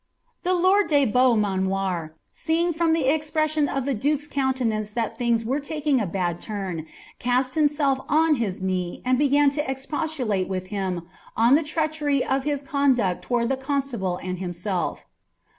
The lord de Beaumanoir, seeing from the expression of the dnke^s countenance that things were taking a bad turn, cast himself on his knee, and began to expostulate with him on the treachery of hi& conduct towards the constable and himself.